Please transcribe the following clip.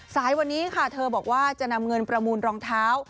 สายวันนี้ค่ะเธอบอกว่าจะนำเงินประมูลรองเท้า